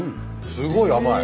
すごい甘い。